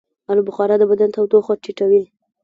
آلوبخارا د بدن تودوخه ټیټوي.